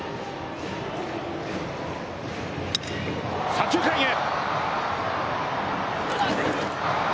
左中間へ。